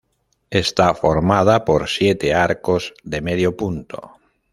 Está formada por siete arcos de medio punto.